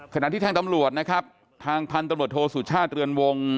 ขณะที่ทางตำรวจนะครับทางพันธุ์ตำรวจโทสุชาติเรือนวง